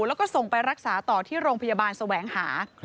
แล้วก็ส่งไปรักษาต่อที่โรงพยาบาลแสวงหา